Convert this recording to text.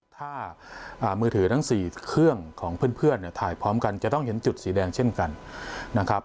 ถ้ามือถือทั้ง๔เครื่องของเพื่อนเนี่ยถ่ายพร้อมกันจะต้องเห็นจุดสีแดงเช่นกันนะครับ